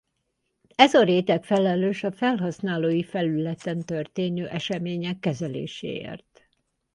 Ez a réteg felelős a felhasználói felületen történő események kezeléséért.